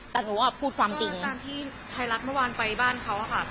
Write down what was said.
แต่หนูว่าพูดความจริงตอนที่ภายลักษณ์เมื่อวานไปบ้านเขาอะค่ะ